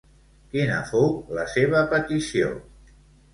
Quina fou la seva petició?